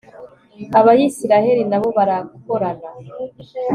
abayisraheli na bo barakorana